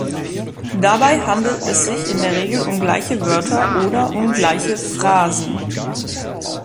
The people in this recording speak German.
Dabei handelt es sich in der Regel um gleiche Wörter oder um gleiche Phrasen.